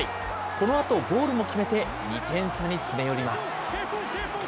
このあとゴールも決めて２点差に詰め寄ります。